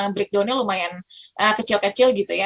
breakdownnya lumayan kecil kecil gitu ya